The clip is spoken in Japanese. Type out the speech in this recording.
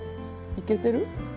いけてる？